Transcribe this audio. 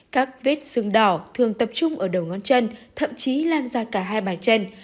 các vết xương đỏ thường tập trung ở đầu ngón chân thậm chí lan ra cả hai bàn chân